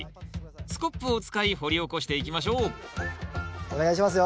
スコップを使い掘り起こしていきましょうお願いしますよ。